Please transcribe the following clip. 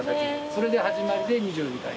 それで始まりで２４時間。